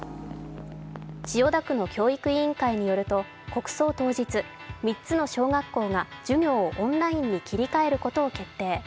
千代田区の教育委員会によると、国葬当日、３つの小学校が授業をオンラインに切り替えることを決定。